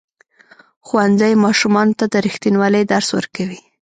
ښوونځی ماشومانو ته د ریښتینولۍ درس ورکوي.